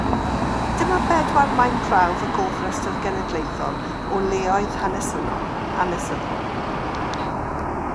Dyma bedwar maen prawf y Gofrestr Genedlaethol o Leoedd Hanesyddol.